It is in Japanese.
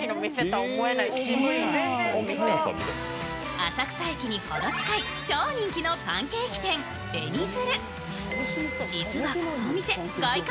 浅草駅に程近い、超人気のパンケーキ店、紅鶴。